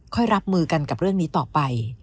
รับมือกันกับเรื่องนี้ต่อไป